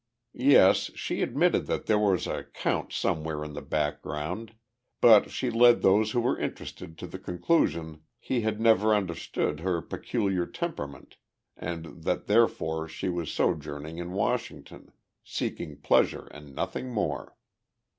Yes, she admitted that there was a count somewhere in the background, but she led those who were interested to the conclusion he had never understood her peculiar temperament and that therefore she was sojourning in Washington, seeking pleasure and nothing more.